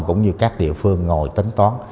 cũng như các địa phương ngồi tính toán